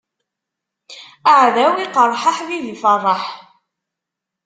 Aɛdaw iqṛeḥ, aḥbib ifṛeḥ.